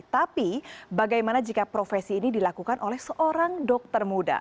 tapi bagaimana jika profesi ini dilakukan oleh seorang dokter muda